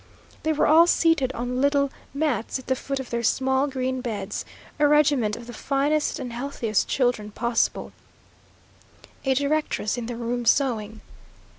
They were all seated on little mats at the foot of their small green beds; a regiment of the finest and healthiest children possible; a directress in the room sewing.